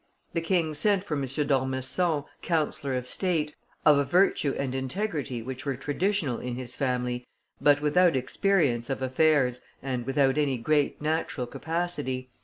The king sent for M. d'Ormesson, councillor of state, of a virtue and integrity which were traditional in his family, but without experience of affairs and without any great natural capacity.